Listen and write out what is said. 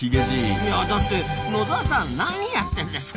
いやだって野澤さん何やってんですか！